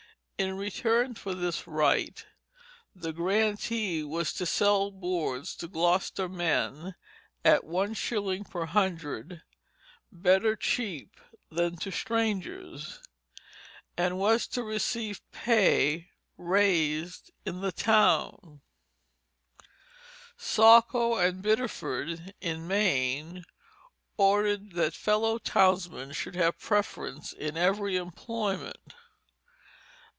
In return for this right the grantee was to sell boards to Gloucester men at "one shilling per hundred better cheape than to strangers" and was to receive pay "raised in the towne." Saco and Biddeford, in Maine, ordered that fellow townsmen should have preference in every employment.